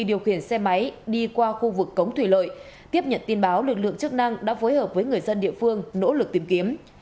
điều khiển xe máy đi qua khu vực cống thủy lợi tiếp nhận tin báo lực lượng chức năng đã phối hợp với người dân địa phương nỗ lực tìm kiếm